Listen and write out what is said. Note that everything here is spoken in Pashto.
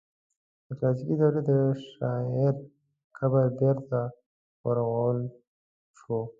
د کلاسیکي دورې د شاعر قبر بیرته ورغول شو.